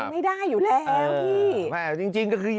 ไม่ได้อยู่แล้วพี่